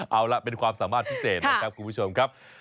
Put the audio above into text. เอาล่ะเป็นความสามารถพิเศษนะครับคุณผู้ชมครับ